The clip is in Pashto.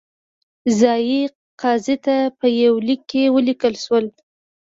ځايي قاضي ته په یوه لیک کې ولیکل شول.